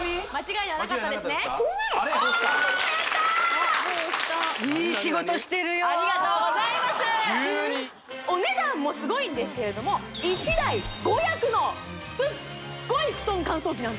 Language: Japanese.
いい仕事してるよありがとうございます急にお値段もすごいんですけれども１台５役のすっごいふとん